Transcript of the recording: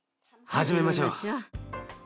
始めましょう。